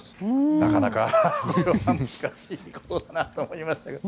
なかなか難しいことだなと思いましたけど。